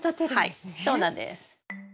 はいそうなんです。